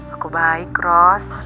aku baik ros